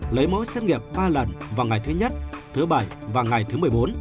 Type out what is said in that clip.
lấy mẫu xét nghiệm ba lần vào ngày thứ nhất thứ bảy và ngày thứ một mươi bốn